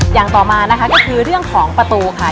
อย่างต่อมานะคะก็คือเรื่องของประตูค่ะ